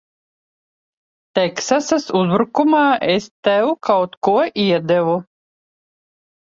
Teksasas uzbrukumā es tev kaut ko iedevu.